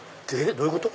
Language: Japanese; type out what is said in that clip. どういうこと？